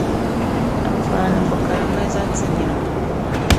Anfaani bo ka di mali zaŋ ti nira?